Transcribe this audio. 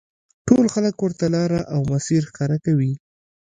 ټول خلک ورته لاره او مسیر ښکاره کوي.